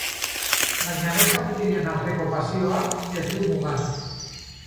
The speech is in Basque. Baina neska-mutilen arteko pasioak ez du mugarik.